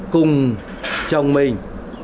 cùng chồng mình